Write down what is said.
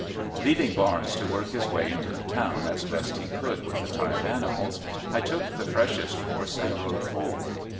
Leaving Barnes to work his way into the town as best he could with the tired animals, I took the freshest horse and rode forward.